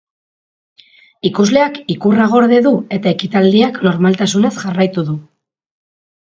Ikusleak ikurra gorde du eta ekitaldiak normaltasunez jarraitu du.